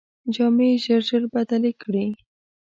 جامې یې ژر ژر بدلې کړې.